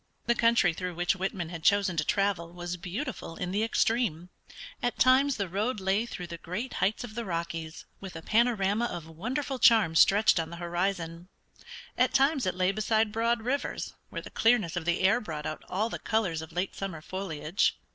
The country through which Whitman had chosen to travel was beautiful in the extreme; at times the road lay through the great heights of the Rockies, with a panorama of wonderful charm stretched on the horizon; at times it lay beside broad rivers where the clearness of the air brought out all the colors of late summer foliage.